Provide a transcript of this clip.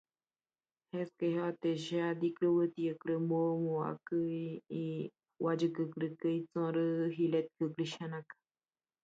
Habita los bordes de los arroyos, canales y estanques, entre la vegetación.